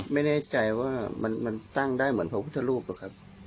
ไม่แน่ใจว่ามันตั้งได้เหมือนพระพุทธรูปหรอกครับ